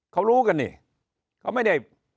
เขารู้กันเนี่ย